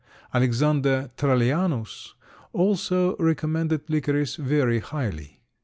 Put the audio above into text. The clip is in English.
Alexander Trallianus also recommended licorice very highly.